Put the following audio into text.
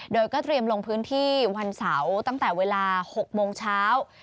โดยก็เตรียมลงพื้นที่วันเสาร์ตั้งแต่เวลา๖โมงเช้า